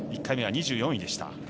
１回目は２４位でした。